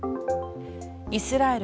イスラエル